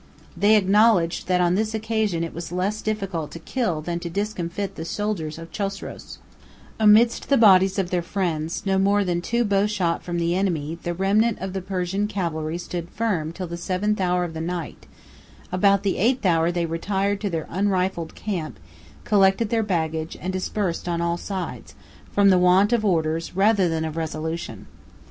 They acknowledged, that on this occasion it was less difficult to kill than to discomfit the soldiers of Chosroes; amidst the bodies of their friends, no more than two bow shot from the enemy the remnant of the Persian cavalry stood firm till the seventh hour of the night; about the eighth hour they retired to their unrifled camp, collected their baggage, and dispersed on all sides, from the want of orders rather than of resolution.